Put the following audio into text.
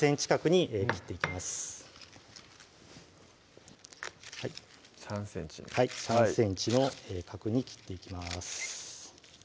３ｃｍにはい３ｃｍの角に切っていきます